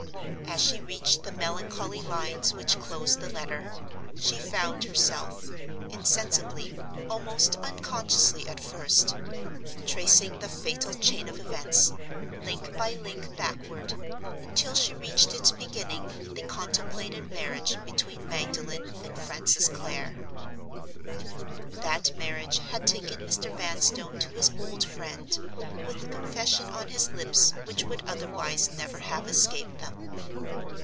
As she reached the melancholy lines which closed the letter, she found herself—insensibly, almost unconsciously, at first—tracing the fatal chain of events, link by link backward, until she reached its beginning in the contemplated marriage between Magdalen and Francis Clare. That marriage had taken Mr. Vanstone to his old friend, with the confession on his lips which would otherwise never have escaped them.